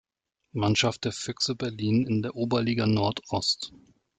Mannschaft der Füchse Berlin in der Oberliga Nord-Ost.